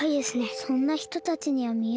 そんなひとたちにはみえないけど。